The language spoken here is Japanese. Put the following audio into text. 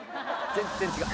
全然違う。